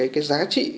cái giá trị